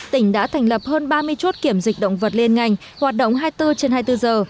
tỉnh đã thành lập hơn ba mươi chốt kiểm dịch động vật liên ngành hoạt động hai mươi bốn trên hai mươi bốn giờ